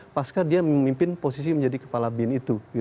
pasca dia memimpin posisi menjadi kepala bin itu